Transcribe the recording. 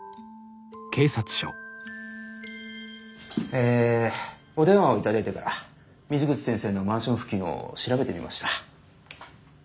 えお電話を頂いてから水口先生のマンション付近を調べてみました。